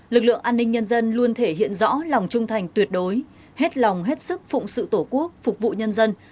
lực lượng an ninh nhân dân luôn thể hiện rõ lòng trung thành tuyệt đối hết lòng hết sức phụng sự tổ quốc phục vụ nhân dân